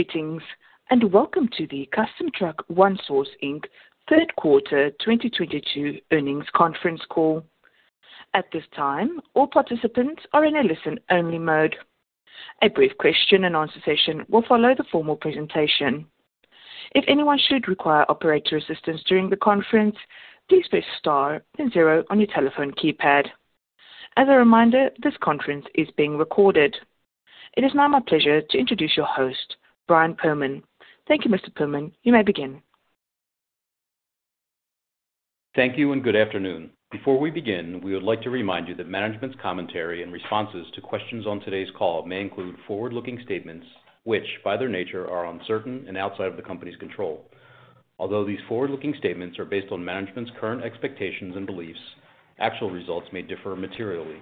Greetings, welcome to the Custom Truck One Source Inc. third quarter 2022 earnings conference call. At this time, all participants are in a listen-only mode. A brief question-and-answer session will follow the formal presentation. If anyone should require operator assistance during the conference, please press star then zero on your telephone keypad. As a reminder, this conference is being recorded. It is now my pleasure to introduce your host, Brian Perlo. Thank you, Mr. Perlo. You may begin. Thank you, good afternoon. Before we begin, we would like to remind you that management's commentary and responses to questions on today's call may include forward-looking statements, which by their nature are uncertain and outside of the company's control. Although these forward-looking statements are based on management's current expectations and beliefs, actual results may differ materially.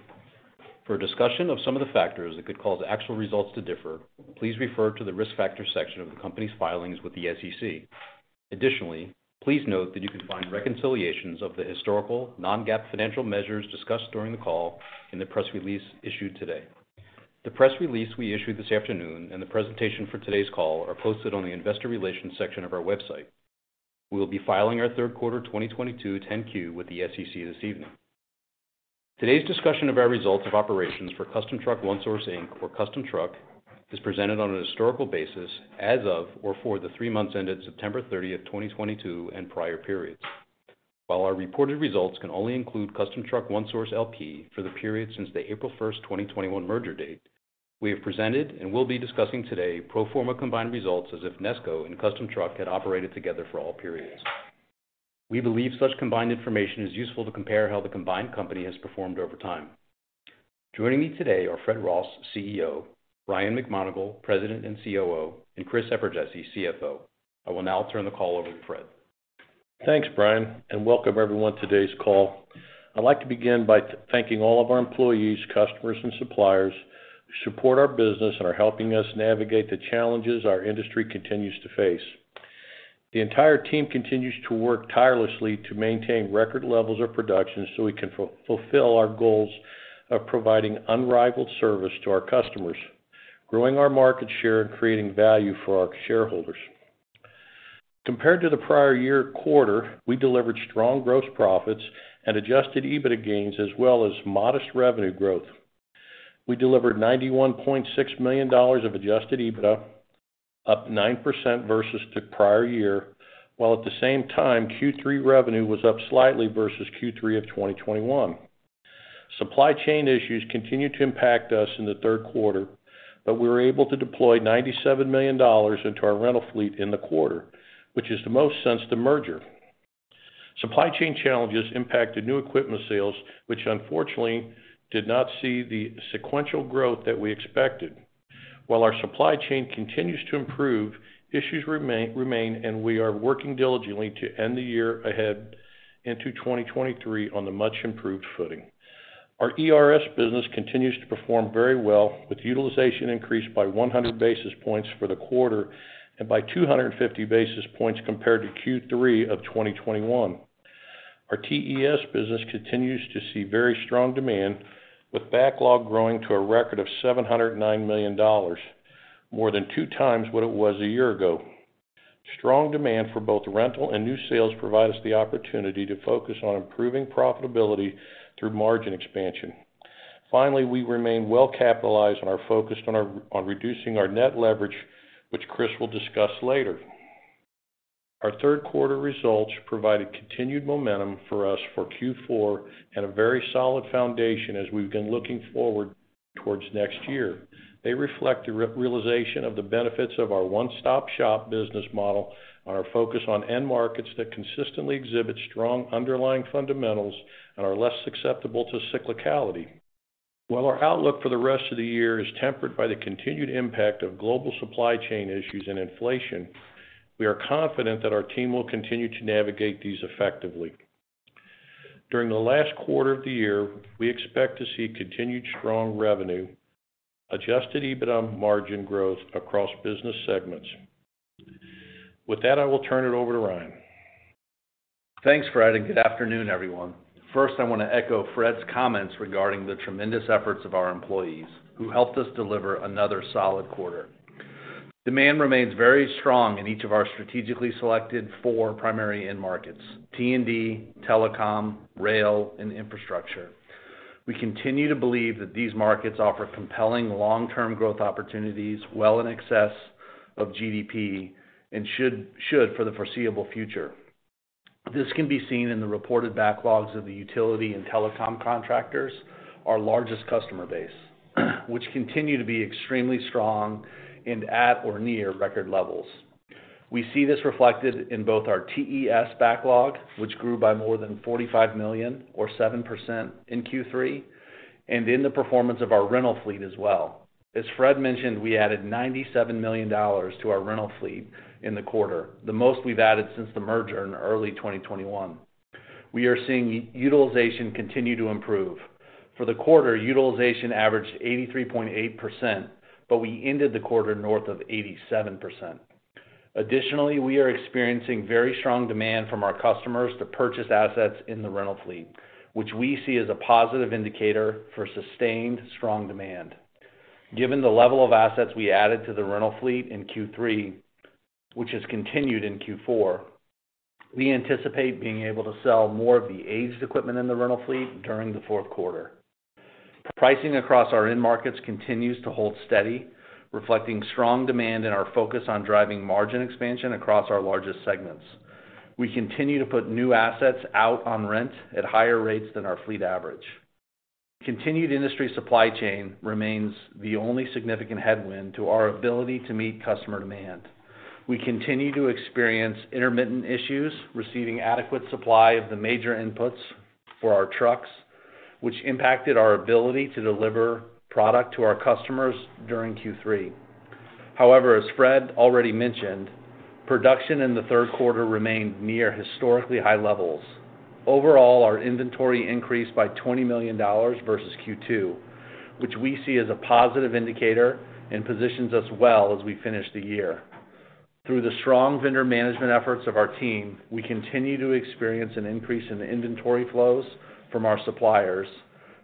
For a discussion of some of the factors that could cause actual results to differ, please refer to the risk factors section of the company's filings with the SEC. Additionally, please note that you can find reconciliations of the historical non-GAAP financial measures discussed during the call in the press release issued today. The press release we issued this afternoon and the presentation for today's call are posted on the investor relations section of our website. We will be filing our third quarter 2022 10-Q with the SEC this evening. Today's discussion of our results of operations for Custom Truck One Source Inc. or Custom Truck is presented on a historical basis as of or for the three months ended September 30th, 2022, and prior periods. While our reported results can only include Custom Truck One Source, L.P. for the period since the April 1st, 2021, merger date, we have presented and will be discussing today pro forma combined results as if Nesco and Custom Truck had operated together for all periods. We believe such combined information is useful to compare how the combined company has performed over time. Joining me today are Fred Ross, CEO, Ryan McMonagle, President and COO, and Christopher Eperjesy, CFO. I will now turn the call over to Fred. Thanks, Brian, welcome everyone to today's call. I'd like to begin by thanking all of our employees, customers, and suppliers who support our business and are helping us navigate the challenges our industry continues to face. The entire team continues to work tirelessly to maintain record levels of production so we can fulfill our goals of providing unrivaled service to our customers, growing our market share, and creating value for our shareholders. Compared to the prior year quarter, we delivered strong gross profits and adjusted EBITDA gains as well as modest revenue growth. We delivered $91.6 million of adjusted EBITDA, up 9% versus the prior year, while at the same time, Q3 revenue was up slightly versus Q3 of 2021. Supply chain issues continued to impact us in the third quarter. We were able to deploy $97 million into our rental fleet in the quarter, which is the most since the merger. Supply chain challenges impacted new equipment sales, which unfortunately did not see the sequential growth that we expected. While our supply chain continues to improve, issues remain, and we are working diligently to end the year ahead into 2023 on a much-improved footing. Our ERS business continues to perform very well, with utilization increased by 100 basis points for the quarter and by 250 basis points compared to Q3 of 2021. Our TES business continues to see very strong demand, with backlog growing to a record of $709 million, more than two times what it was a year ago. Strong demand for both rental and new sales provide us the opportunity to focus on improving profitability through margin expansion. Finally, we remain well-capitalized and are focused on reducing our net leverage, which Chris will discuss later. Our third quarter results provided continued momentum for us for Q4 and a very solid foundation as we've been looking forward towards next year. They reflect the realization of the benefits of our one-stop shop business model and our focus on end markets that consistently exhibit strong underlying fundamentals and are less susceptible to cyclicality. Our outlook for the rest of the year is tempered by the continued impact of global supply chain issues and inflation, we are confident that our team will continue to navigate these effectively. During the last quarter of the year, we expect to see continued strong revenue, adjusted EBITDA margin growth across business segments. With that, I will turn it over to Ryan. Thanks, Fred. Good afternoon, everyone. First, I want to echo Fred's comments regarding the tremendous efforts of our employees, who helped us deliver another solid quarter. Demand remains very strong in each of our strategically selected four primary end markets: T&D, telecom, rail, and infrastructure. We continue to believe that these markets offer compelling long-term growth opportunities well in excess of GDP and should for the foreseeable future. This can be seen in the reported backlogs of the utility and telecom contractors, our largest customer base, which continue to be extremely strong and at or near record levels. We see this reflected in both our TES backlog, which grew by more than $45 million, or 7%, in Q3, and in the performance of our rental fleet as well. As Fred mentioned, we added $97 million to our rental fleet in the quarter, the most we've added since the merger in early 2021. We are seeing utilization continue to improve. For the quarter, utilization averaged 83.8%, but we ended the quarter north of 87%. Additionally, we are experiencing very strong demand from our customers to purchase assets in the rental fleet, which we see as a positive indicator for sustained strong demand. Given the level of assets we added to the rental fleet in Q3, which has continued in Q4, we anticipate being able to sell more of the aged equipment in the rental fleet during the fourth quarter. Pricing across our end markets continues to hold steady, reflecting strong demand and our focus on driving margin expansion across our largest segments. We continue to put new assets out on rent at higher rates than our fleet average. Continued industry supply chain remains the only significant headwind to our ability to meet customer demand. We continue to experience intermittent issues receiving adequate supply of the major inputs for our trucks, which impacted our ability to deliver product to our customers during Q3. However, as Fred already mentioned, production in the third quarter remained near historically high levels. Overall, our inventory increased by $20 million versus Q2, which we see as a positive indicator and positions us well as we finish the year. Through the strong vendor management efforts of our team, we continue to experience an increase in inventory flows from our suppliers,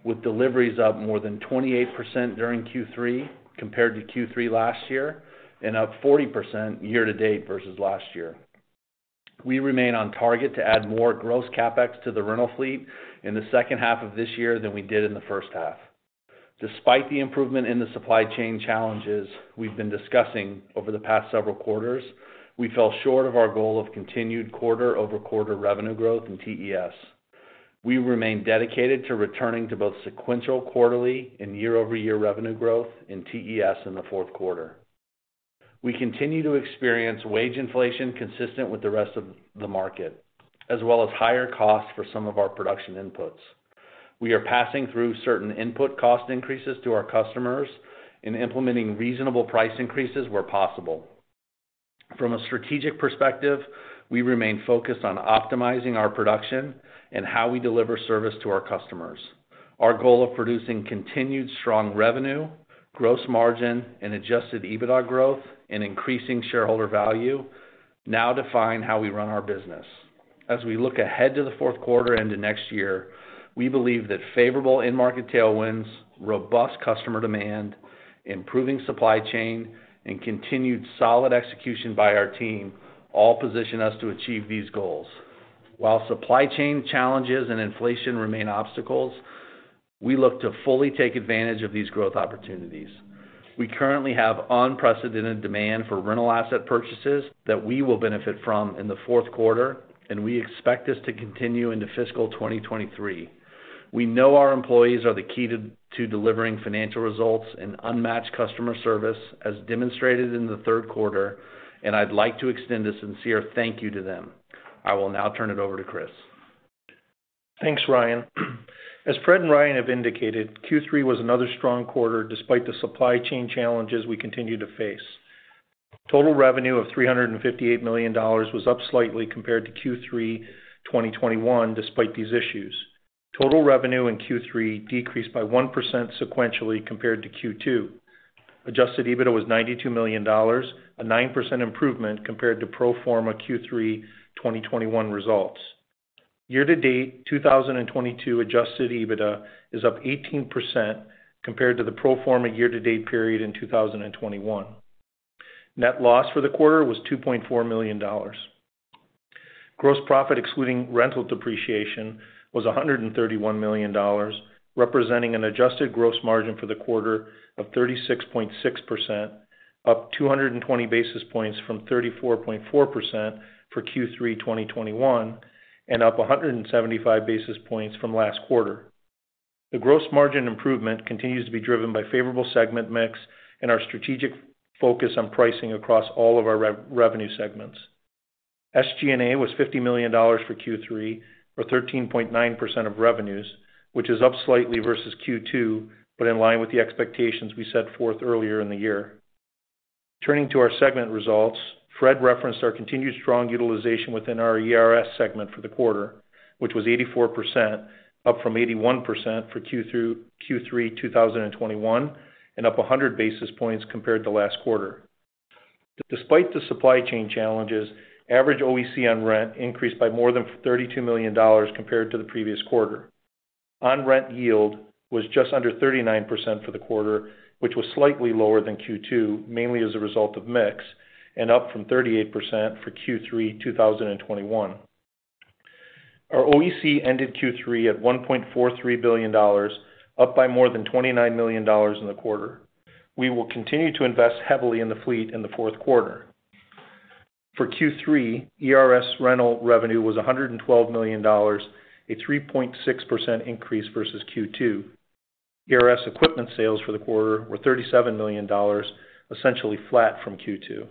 with deliveries up more than 28% during Q3 compared to Q3 last year, and up 40% year-to-date versus last year. We remain on target to add more gross CapEx to the rental fleet in the second half of this year than we did in the first half. Despite the improvement in the supply chain challenges we've been discussing over the past several quarters, we fell short of our goal of continued quarter-over-quarter revenue growth in TES. We remain dedicated to returning to both sequential quarterly and year-over-year revenue growth in TES in the fourth quarter. We continue to experience wage inflation consistent with the rest of the market, as well as higher costs for some of our production inputs. We are passing through certain input cost increases to our customers and implementing reasonable price increases where possible. From a strategic perspective, we remain focused on optimizing our production and how we deliver service to our customers. Our goal of producing continued strong revenue, gross margin, and adjusted EBITDA growth, and increasing shareholder value now define how we run our business. As we look ahead to the fourth quarter into next year, we believe that favorable end-market tailwinds, robust customer demand, improving supply chain, and continued solid execution by our team all position us to achieve these goals. While supply chain challenges and inflation remain obstacles, we look to fully take advantage of these growth opportunities. We currently have unprecedented demand for rental asset purchases that we will benefit from in the fourth quarter, and we expect this to continue into fiscal 2023. We know our employees are the key to delivering financial results and unmatched customer service, as demonstrated in the third quarter, and I'd like to extend a sincere thank you to them. I will now turn it over to Chris. Thanks, Ryan. As Fred and Ryan have indicated, Q3 was another strong quarter despite the supply chain challenges we continue to face. Total revenue of $358 million was up slightly compared to Q3 2021, despite these issues. Total revenue in Q3 decreased by 1% sequentially compared to Q2. Adjusted EBITDA was $92 million, a 9% improvement compared to pro forma Q3 2021 results. Year-to-date 2022 adjusted EBITDA is up 18% compared to the pro forma year-to-date period in 2021. Net loss for the quarter was $2.4 million. Gross profit, excluding rental depreciation, was $131 million, representing an adjusted gross margin for the quarter of 36.6%, up 220 basis points from 34.4% for Q3 2021, and up 175 basis points from last quarter. The gross margin improvement continues to be driven by favorable segment mix and our strategic focus on pricing across all of our revenue segments. SG&A was $50 million for Q3, or 13.9% of revenues, which is up slightly versus Q2, but in line with the expectations we set forth earlier in the year. Turning to our segment results, Fred referenced our continued strong utilization within our ERS segment for the quarter, which was 84%, up from 81% for Q3 2021, and up 100 basis points compared to last quarter. Despite the supply chain challenges, average OEC on rent increased by more than $32 million compared to the previous quarter. On-rent yield was just under 39% for the quarter, which was slightly lower than Q2, mainly as a result of mix, and up from 38% for Q3 2021. Our OEC ended Q3 at $1.43 billion, up by more than $29 million in the quarter. We will continue to invest heavily in the fleet in the fourth quarter. For Q3, ERS rental revenue was $112 million, a 3.6% increase versus Q2. ERS equipment sales for the quarter were $37 million, essentially flat from Q2.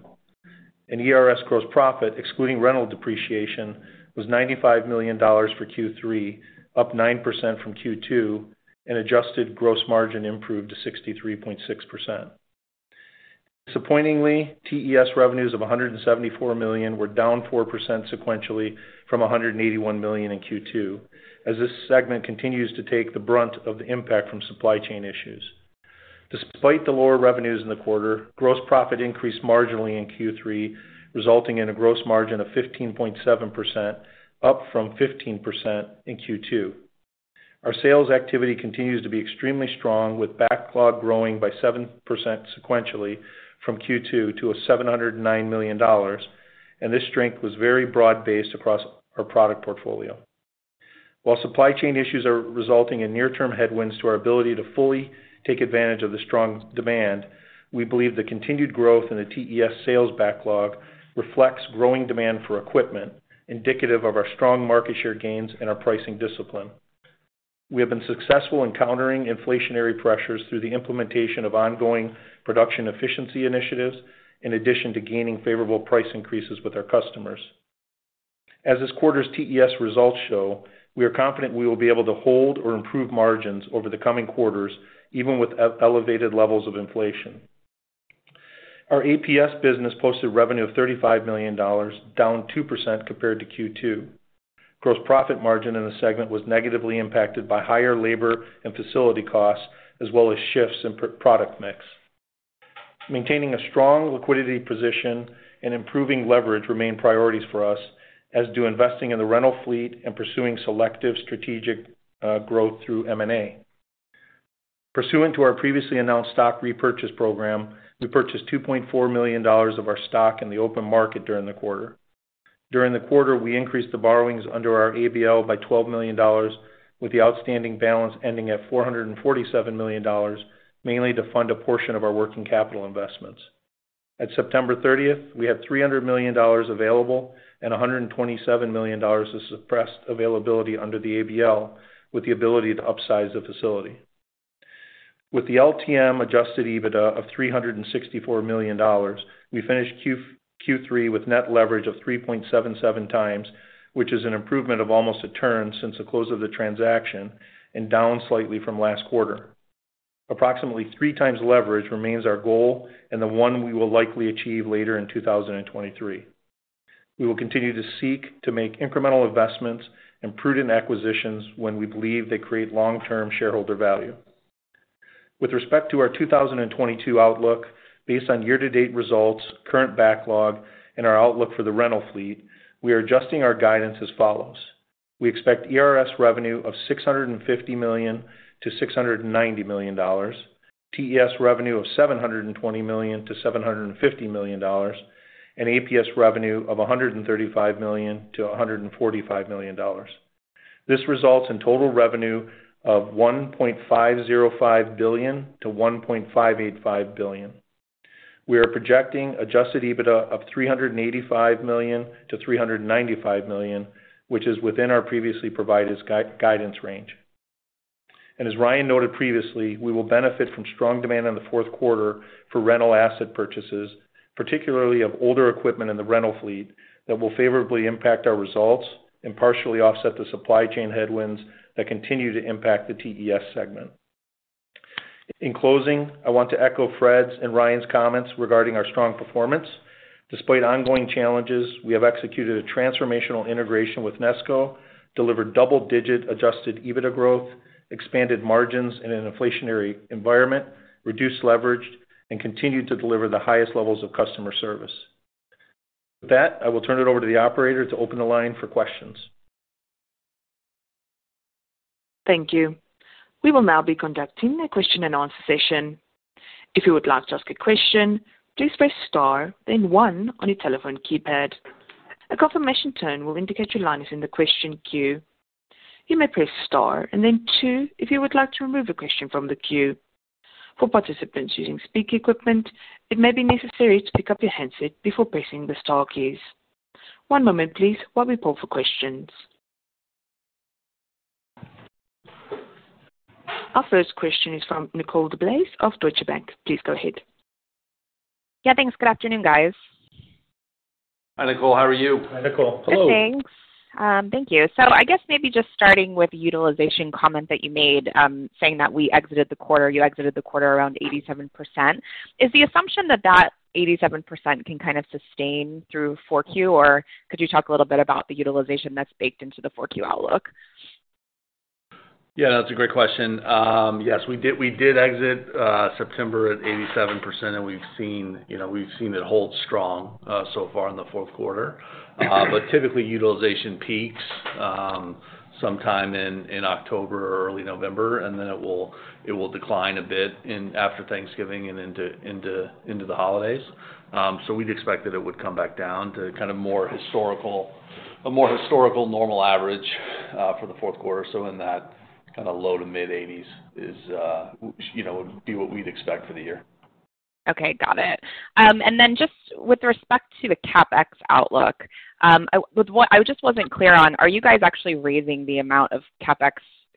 ERS gross profit, excluding rental depreciation, was $95 million for Q3, up 9% from Q2, and adjusted gross margin improved to 63.6%. Disappointingly, TES revenues of $174 million were down 4% sequentially from $181 million in Q2, as this segment continues to take the brunt of the impact from supply chain issues. Despite the lower revenues in the quarter, gross profit increased marginally in Q3, resulting in a gross margin of 15.7%, up from 15% in Q2. Our sales activity continues to be extremely strong, with backlog growing by 7% sequentially from Q2 to $709 million. This strength was very broad-based across our product portfolio. While supply chain issues are resulting in near-term headwinds to our ability to fully take advantage of the strong demand, we believe the continued growth in the TES sales backlog reflects growing demand for equipment, indicative of our strong market share gains and our pricing discipline. We have been successful in countering inflationary pressures through the implementation of ongoing production efficiency initiatives, in addition to gaining favorable price increases with our customers. As this quarter's TES results show, we are confident we will be able to hold or improve margins over the coming quarters, even with elevated levels of inflation. Our APS business posted revenue of $35 million, down 2% compared to Q2. Gross profit margin in the segment was negatively impacted by higher labor and facility costs, as well as shifts in product mix. Maintaining a strong liquidity position and improving leverage remain priorities for us, as do investing in the rental fleet and pursuing selective strategic growth through M&A. Pursuant to our previously announced stock repurchase program, we purchased $2.4 million of our stock in the open market during the quarter. During the quarter, we increased the borrowings under our ABL by $12 million, with the outstanding balance ending at $447 million, mainly to fund a portion of our working capital investments. At September 30th, we had $300 million available and $127 million of suppressed availability under the ABL, with the ability to upsize the facility. With the LTM adjusted EBITDA of $364 million, we finished Q3 with net leverage of 3.77 times, which is an improvement of almost a turn since the close of the transaction and down slightly from last quarter. Approximately three times leverage remains our goal and the one we will likely achieve later in 2023. We will continue to seek to make incremental investments and prudent acquisitions when we believe they create long-term shareholder value. With respect to our 2022 outlook, based on year-to-date results, current backlog, and our outlook for the rental fleet, we are adjusting our guidance as follows. We expect ERS revenue of $650 million-$690 million, TES revenue of $720 million-$750 million, and APS revenue of $135 million-$145 million. This results in total revenue of $1.505 billion-$1.585 billion. We are projecting adjusted EBITDA of $385 million-$395 million, which is within our previously provided guidance range. As Ryan noted previously, we will benefit from strong demand in the fourth quarter for rental asset purchases, particularly of older equipment in the rental fleet, that will favorably impact our results and partially offset the supply chain headwinds that continue to impact the TES segment. In closing, I want to echo Fred's and Ryan's comments regarding our strong performance. Despite ongoing challenges, we have executed a transformational integration with Nesco, delivered double-digit adjusted EBITDA growth, expanded margins in an inflationary environment, reduced leverage, and continued to deliver the highest levels of customer service. With that, I will turn it over to the operator to open the line for questions. Thank you. We will now be conducting a question and answer session. If you would like to ask a question, please press star, then one on your telephone keypad. A confirmation tone will indicate your line is in the question queue. You may press star and then two if you would like to remove a question from the queue. For participants using speaker equipment, it may be necessary to pick up your handset before pressing the star keys. One moment please while we poll for questions. Our first question is from Nicole DeBlase of Deutsche Bank. Please go ahead. Yeah, thanks. Good afternoon, guys. Hi, Nicole. How are you? Hi, Nicole. Hello. Good, thanks. Thank you. I guess maybe just starting with the utilization comment that you made, saying that you exited the quarter around 87%. Is the assumption that that 87% can kind of sustain through 4Q, or could you talk a little bit about the utilization that's baked into the 4Q outlook? Yeah, that's a great question. Yes, we did exit September at 87%, and we've seen it hold strong so far in the fourth quarter. Typically, utilization peaks sometime in October or early November, and then it will decline a bit after Thanksgiving and into the holidays. We'd expect that it would come back down to kind of a more historical normal average for the fourth quarter. In that kind of low to mid-80s would be what we'd expect for the year. Okay, got it. Just with respect to the CapEx outlook, I just wasn't clear on, are you guys actually raising the amount of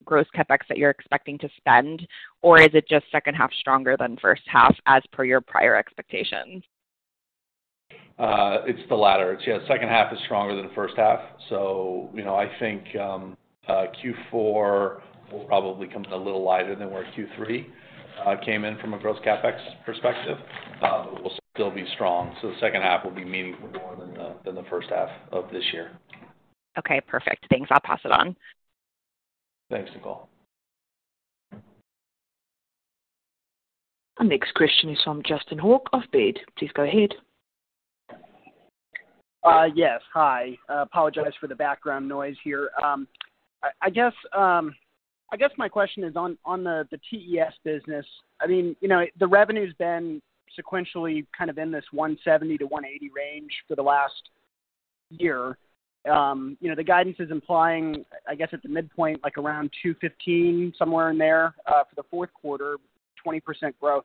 gross CapEx that you're expecting to spend, or is it just second half stronger than first half as per your prior expectations? It's the latter. Second half is stronger than the first half. I think Q4 will probably come in a little lighter than where Q3 came in from a gross CapEx perspective. We'll still be strong. The second half will be meaningfully more than the first half of this year. Okay, perfect. Thanks. I'll pass it on. Thanks, Nicole. Our next question is from Justin Hauke of Baird. Please go ahead. Yes. Hi. Apologize for the background noise here. I guess my question is on the TES business. The revenue's been sequentially kind of in this $170-$180 range for the last year. The guidance is implying, I guess at the midpoint, like around $215, somewhere in there, for the fourth quarter, 20% growth.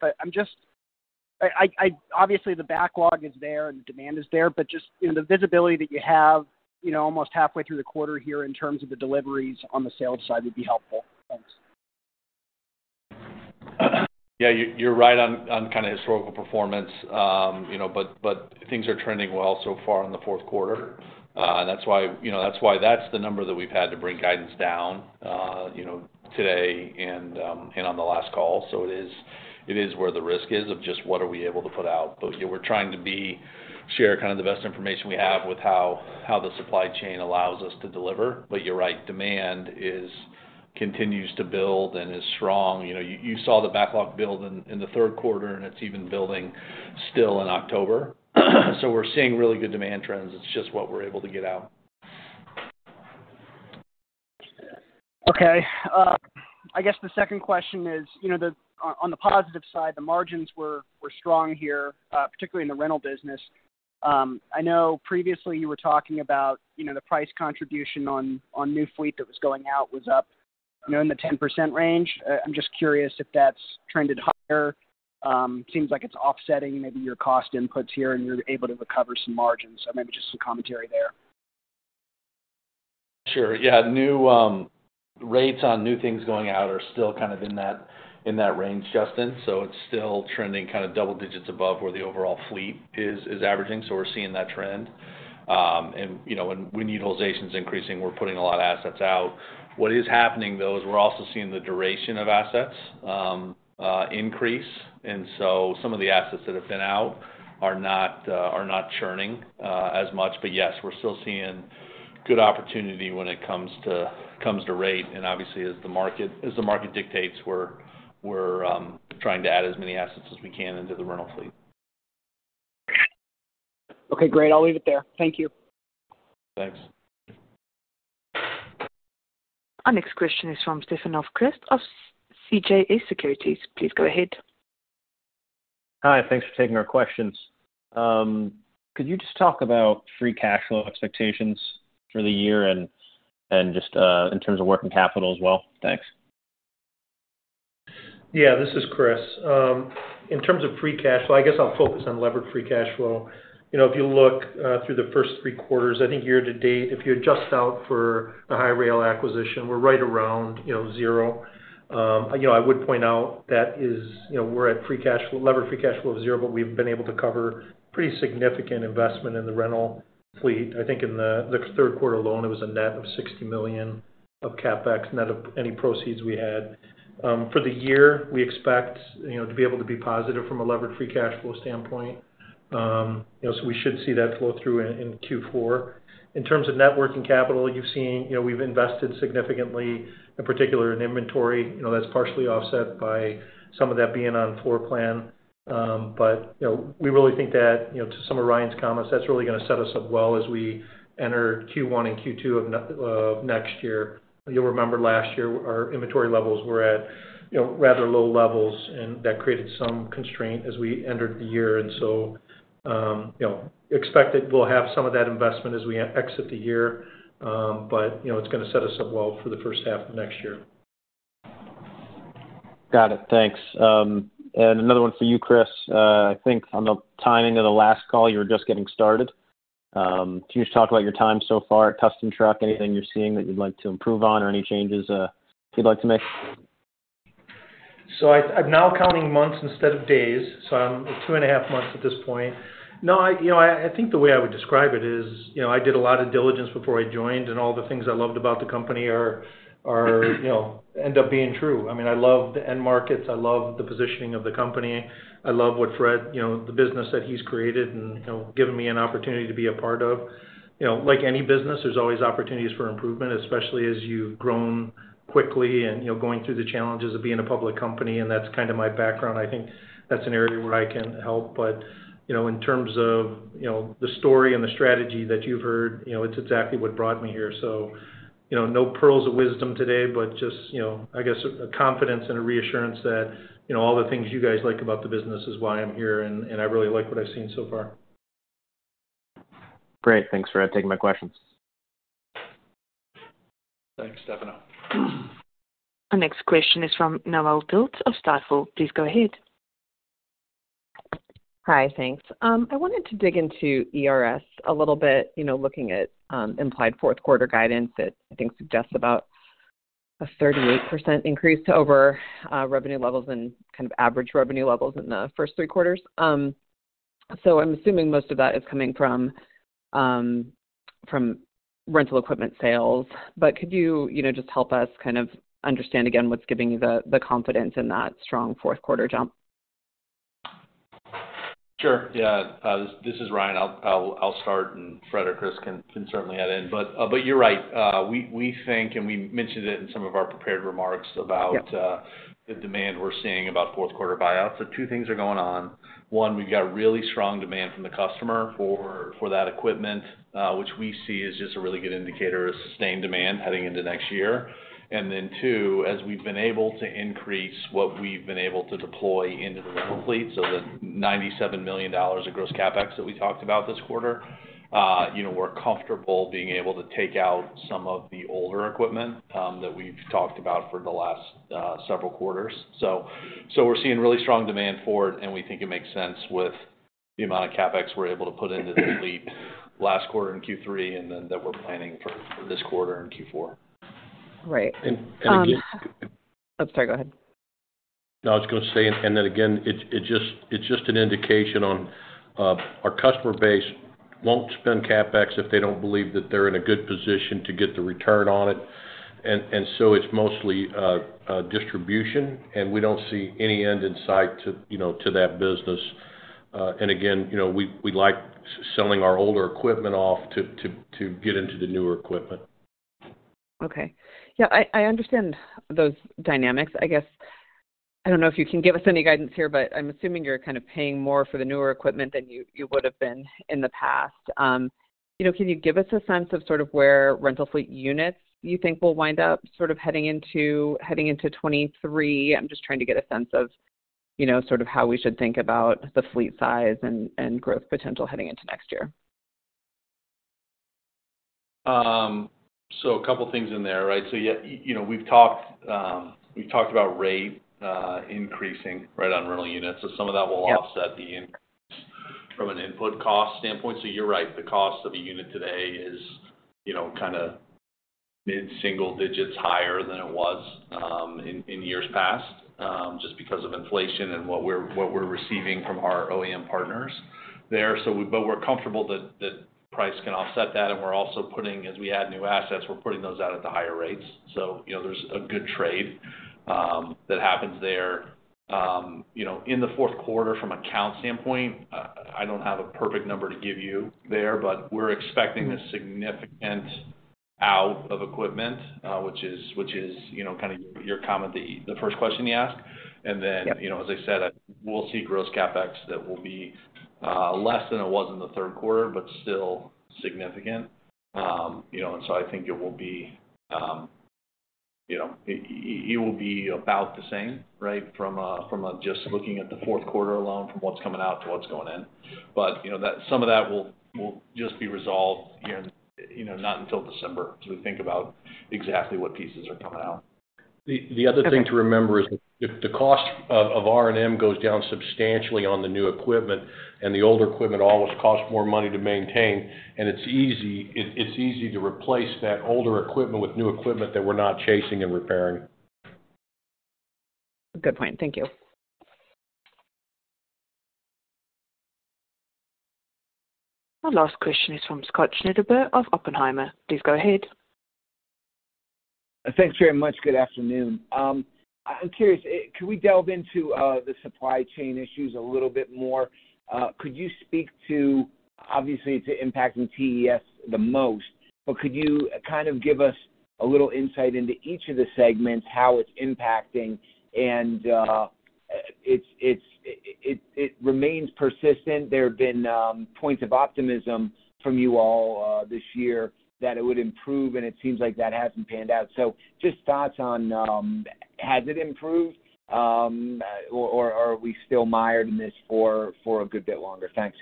Obviously the backlog is there and demand is there, but just the visibility that you have almost halfway through the quarter here in terms of the deliveries on the sales side would be helpful. Thanks. Yeah, you're right on kind of historical performance. Things are trending well so far in the fourth quarter. That's why that's the number that we've had to bring guidance down today and on the last call. It is where the risk is of just what are we able to put out. We're trying to share kind of the best information we have with how the supply chain allows us to deliver. You're right, demand continues to build and is strong. You saw the backlog build in the third quarter, and it's even building still in October. We're seeing really good demand trends. It's just what we're able to get out. Okay. I guess the second question is, on the positive side, the margins were strong here, particularly in the rental business. I know previously you were talking about the price contribution on new fleet that was going out was up in the 10% range. I'm just curious if that's trended higher. Seems like it's offsetting maybe your cost inputs here, and you're able to recover some margins. Maybe just some commentary there. Sure, yeah. Rates on new things going out are still kind of in that range, Justin, it's still trending kind of double digits above where the overall fleet is averaging. We're seeing that trend. When utilization's increasing, we're putting a lot of assets out. What is happening though, is we're also seeing the duration of assets increase, some of the assets that have been out are not churning as much. Yes, we're still seeing good opportunity when it comes to rate, and obviously as the market dictates, we're trying to add as many assets as we can into the rental fleet. Okay, great. I'll leave it there. Thank you. Thanks. Our next question is from Stefanos Crist of CJS Securities. Please go ahead. Hi. Thanks for taking our questions. Could you just talk about free cash flow expectations for the year and just in terms of working capital as well? Thanks. Yeah. This is Chris. In terms of free cash flow, I guess I'll focus on levered free cash flow. If you look through the first three quarters, I think year to date, if you adjust out for the Hi-Rail acquisition, we're right around zero. I would point out that we're at levered free cash flow of zero, but we've been able to cover pretty significant investment in the rental fleet. I think in the third quarter alone, it was a net of $60 million of CapEx, net of any proceeds we had. For the year, we expect to be able to be positive from a levered free cash flow standpoint. We should see that flow through in Q4. In terms of networking capital, you've seen we've invested significantly, in particular in inventory. That's partially offset by some of that being on floor plan. We really think that, to some of Ryan's comments, that's really going to set us up well as we enter Q1 and Q2 of next year. You'll remember last year, our inventory levels were at rather low levels, and that created some constraint as we entered the year. Expect that we'll have some of that investment as we exit the year. It's going to set us up well for the first half of next year. Got it. Thanks. Another one for you, Chris. I think on the timing of the last call, you were just getting started. Can you just talk about your time so far at Custom Truck? Anything you're seeing that you'd like to improve on or any changes you'd like to make? I'm now counting months instead of days, so I'm two and a half months at this point. I think the way I would describe it is, I did a lot of diligence before I joined, and all the things I loved about the company end up being true. I loved the end markets. I love the positioning of the company. I love the business that he's created and given me an opportunity to be a part of. Like any business, there's always opportunities for improvement, especially as you've grown quickly and going through the challenges of being a public company, and that's kind of my background. I think that's an area where I can help. In terms of the story and the strategy that you've heard, it's exactly what brought me here. No pearls of wisdom today, but just, I guess, a confidence and a reassurance that all the things you guys like about the business is why I'm here, and I really like what I've seen so far. Great. Thanks for taking my questions. Thanks, Stefanos. Our next question is from Nathaniel Bolton of Stifel. Please go ahead. Hi, thanks. I wanted to dig into ERS a little bit, looking at implied fourth quarter guidance that I think suggests about a 38% increase to over revenue levels and kind of average revenue levels in the first three quarters. I'm assuming most of that is coming from rental equipment sales. Could you just help us kind of understand again what's giving you the confidence in that strong fourth quarter jump? Sure. Yeah. This is Ryan. I'll start, and Fred or Chris can certainly add in. You're right. We think, and we mentioned it in some of our prepared remarks about. Yeah The demand we're seeing about fourth quarter buyouts. Two things are going on. One, we've got really strong demand from the customer for that equipment, which we see as just a really good indicator of sustained demand heading into next year. Two, as we've been able to increase what we've been able to deploy into the rental fleet, so the $97 million of gross CapEx that we talked about this quarter. We're comfortable being able to take out some of the older equipment that we've talked about for the last several quarters. We're seeing really strong demand for it, and we think it makes sense with the amount of CapEx we're able to put into the fleet last quarter in Q3 and then that we're planning for this quarter and Q4. Right. again Oh, sorry. Go ahead. No, I was going to say, and then again, it's just an indication on our customer base won't spend CapEx if they don't believe that they're in a good position to get the return on it. It's mostly distribution, and we don't see any end in sight to that business. Again, we like selling our older equipment off to get into the newer equipment. Okay. Yeah, I understand those dynamics. I guess, I don't know if you can give us any guidance here, but I'm assuming you're kind of paying more for the newer equipment than you would've been in the past. Can you give us a sense of sort of where rental fleet units you think will wind up sort of heading into 2023? I'm just trying to get a sense of sort of how we should think about the fleet size and growth potential heading into next year. A couple things in there, right? Yeah, we've talked about rate increasing on rental units. Some of that Yeah offset the increase from an input cost standpoint. You're right, the cost of a unit today is kind of mid-single digits, higher than it was in years past, just because of inflation and what we're receiving from our OEM partners there. We're comfortable that price can offset that, and we're also putting, as we add new assets, we're putting those out at the higher rates. There's a good trade that happens there. In the fourth quarter, from a count standpoint, I don't have a perfect number to give you there, but we're expecting a significant out of equipment, which is kind of your comment, the first question you asked. Yeah As I said, we'll see gross CapEx that will be less than it was in the third quarter, but still significant. I think it will be about the same from just looking at the fourth quarter alone, from what's coming out to what's going in. Some of that will just be resolved not until December, as we think about exactly what pieces are coming out. Okay. The other thing to remember is if the cost of R&M goes down substantially on the new equipment, and the older equipment always costs more money to maintain, and it's easy to replace that older equipment with new equipment that we're not chasing and repairing. Good point. Thank you. Our last question is from Scott Schneeberger of Oppenheimer. Please go ahead. Thanks very much. Good afternoon. I'm curious, can we delve into the supply chain issues a little bit more? Could you speak to, obviously, it's impacting TES the most, but could you kind of give us a little insight into each of the segments, how it's impacting and it remains persistent. There have been points of optimism from you all this year that it would improve, and it seems like that hasn't panned out. Just thoughts on has it improved? Are we still mired in this for a good bit longer? Thanks.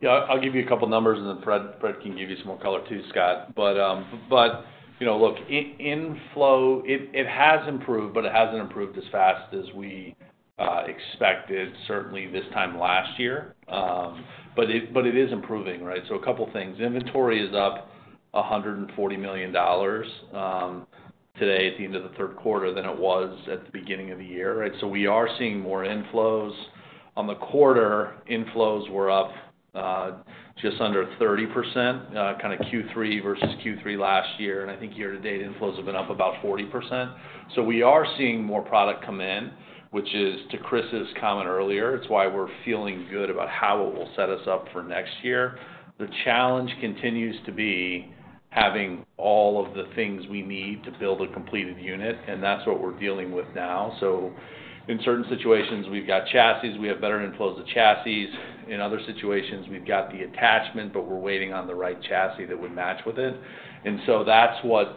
Yeah. I'll give you a couple numbers, and then Fred can give you some more color too, Scott. Look, inflow, it has improved, but it hasn't improved as fast as we expected, certainly this time last year. It is improving, right? A couple things. Inventory is up $140 million today at the end of the third quarter than it was at the beginning of the year, right? We are seeing more inflows. On the quarter, inflows were up just under 30%, kind of Q3 versus Q3 last year. I think year to date, inflows have been up about 40%. We are seeing more product come in, which is to Chris' comment earlier, it's why we're feeling good about how it will set us up for next year. The challenge continues to be having all of the things we need to build a completed unit, and that's what we're dealing with now. In certain situations, we've got chassis, we have better inflows of chassis. In other situations, we've got the attachment, but we're waiting on the right chassis that would match with it. That's what's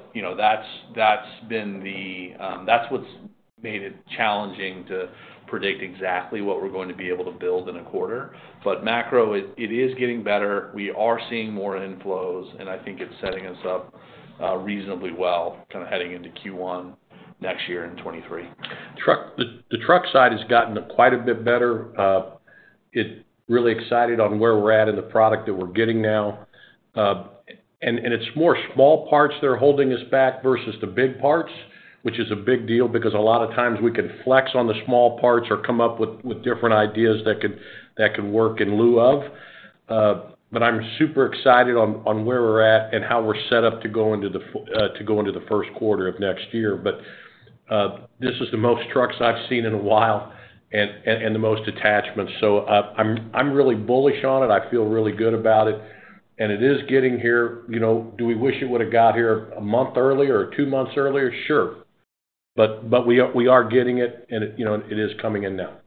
made it challenging to predict exactly what we're going to be able to build in a quarter. Macro, it is getting better. We are seeing more inflows, I think it's setting us up reasonably well, kind of heading into Q1 2023. The truck side has gotten quite a bit better. Really excited on where we're at and the product that we're getting now. It's more small parts that are holding us back versus the big parts, which is a big deal because a lot of times we can flex on the small parts or come up with different ideas that could work in lieu of. I'm super excited on where we're at and how we're set up to go into the first quarter of next year. This is the most trucks I've seen in a while and the most attachments. I'm really bullish on it. I feel really good about it. It is getting here. Do we wish it would've got here a month earlier or two months earlier? Sure. We are getting it, and it is coming in now.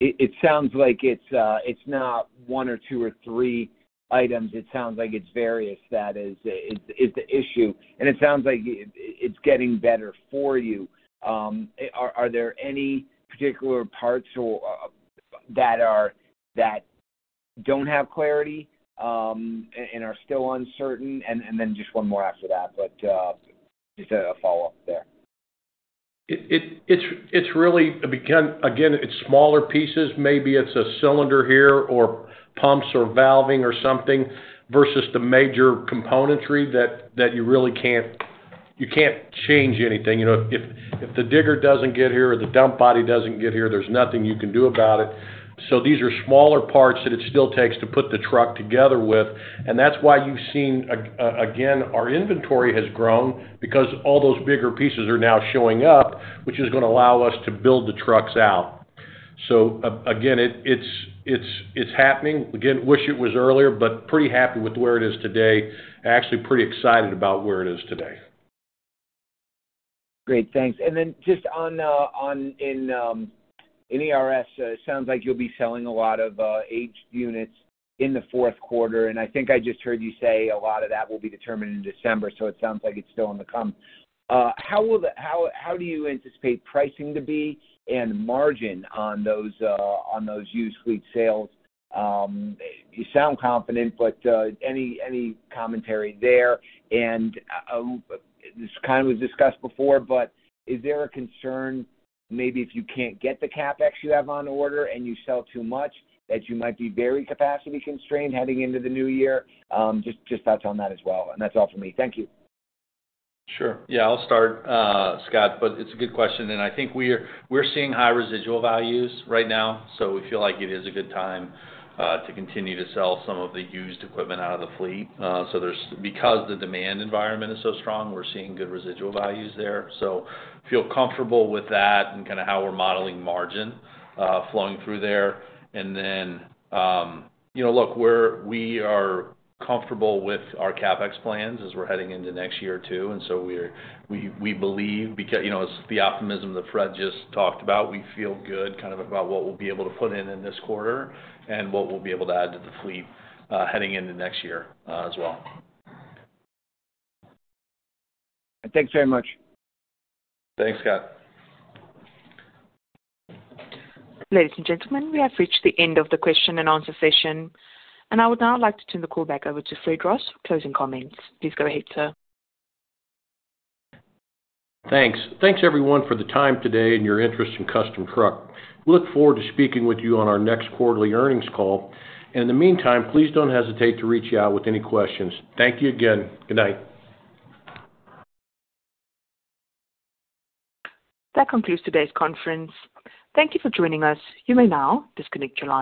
It sounds like it's not one or two or three items. It sounds like it's various that is the issue, it sounds like it's getting better for you. Are there any particular parts that don't have clarity, and are still uncertain? Just one more after that, but just a follow-up there. Again, it's smaller pieces. Maybe it's a cylinder here or pumps or valving or something versus the major componentry that you really can't change anything. If the digger doesn't get here or the dump body doesn't get here, there's nothing you can do about it. These are smaller parts that it still takes to put the truck together with, that's why you've seen, again, our inventory has grown because all those bigger pieces are now showing up, which is going to allow us to build the trucks out. Again, it's happening. Again, wish it was earlier, pretty happy with where it is today. Actually pretty excited about where it is today. Great. Thanks. Just in ERS, it sounds like you'll be selling a lot of aged units in the fourth quarter, and I think I just heard you say a lot of that will be determined in December, so it sounds like it's still on the come. How do you anticipate pricing to be and margin on those used fleet sales? You sound confident, but any commentary there? This kind of was discussed before, but is there a concern maybe if you can't get the CapEx you have on order and you sell too much, that you might be very capacity-constrained heading into the new year? Just thoughts on that as well. That's all for me. Thank you. Sure. Yeah, I'll start, Scott. It's a good question. I think we're seeing high residual values right now, we feel like it is a good time to continue to sell some of the used equipment out of the fleet. Because the demand environment is so strong, we're seeing good residual values there. Feel comfortable with that and kind of how we're modeling margin flowing through there. Look, we are comfortable with our CapEx plans as we're heading into next year, too. We believe, it's the optimism that Fred just talked about. We feel good kind of about what we'll be able to put in in this quarter and what we'll be able to add to the fleet heading into next year as well. Thanks very much. Thanks, Scott. Ladies and gentlemen, we have reached the end of the question and answer session, and I would now like to turn the call back over to Fred Ross for closing comments. Please go ahead, sir. Thanks. Thanks, everyone, for the time today and your interest in Custom Truck. We look forward to speaking with you on our next quarterly earnings call. In the meantime, please don't hesitate to reach out with any questions. Thank you again. Good night. That concludes today's conference. Thank you for joining us. You may now disconnect your lines.